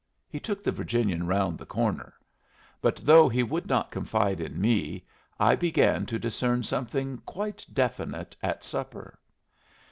He took the Virginian round the corner. But though he would not confide in me, I began to discern something quite definite at supper.